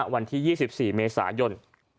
วันที่๒๔เมษายน